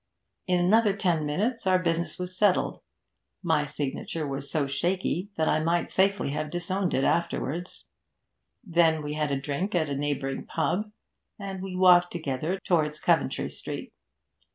In another ten minutes our business was settled, my signature was so shaky that I might safely have disowned it afterwards. Then we had a drink at a neighbouring pub, and we walked together towards Coventry Street.